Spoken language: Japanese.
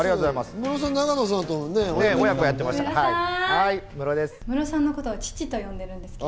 ムロさん、永野さんと親子やってましたからね。